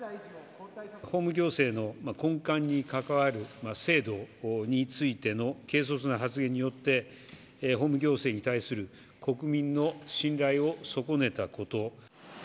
法務行政の根幹に関わる制度についての軽率な発言によって法務行政に対する国民の信頼を損ねたこと。